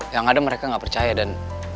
yang ada mereka nggak percaya dan